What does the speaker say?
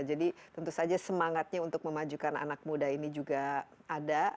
jadi tentu saja semangatnya untuk memajukan anak muda ini juga ada